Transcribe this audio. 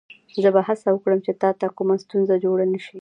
زه به هڅه وکړم چې تا ته کومه ستونزه جوړه نه شي.